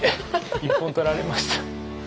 一本取られました。